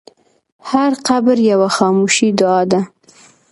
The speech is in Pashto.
هر قبر یوه خاموشه دعا ده.